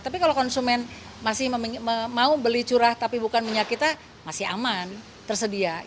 tapi kalau konsumen masih mau beli curah tapi bukan minyak kita masih aman tersedia